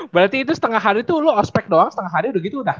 berarti itu setengah hari itu lo ospect doang setengah hari udah gitu udah